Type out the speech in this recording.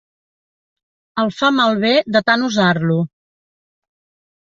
El fa malbé de tan usar-lo.